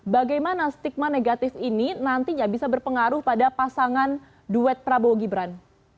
bagaimana stigma negatif ini nantinya bisa berpengaruh pada pasangan duet prabowo gibran